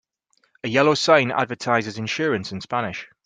A yellow sign advertises insurance in Spanish.